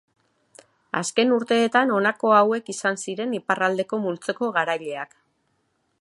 Azken urteetan honako hauek izan ziren iparraldeko multzoko garaileak.